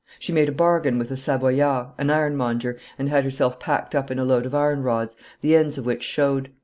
She made a bargain with a Savoyard, an ironmonger, and had herself packed up in a load of iron rods, the ends of which showed.